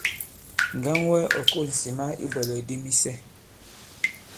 Ŋgaŋ wɛ ɔ̀ ko᷇s ŋsìma i ibwɛ̀lɛ̀k di misɛ.